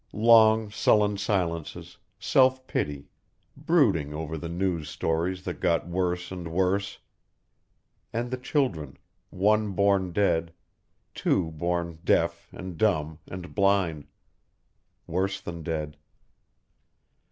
Long sullen silences, self pity, brooding over the news stories that got worse and worse. And the children one born dead two born deaf and dumb and blind. _Worse than dead.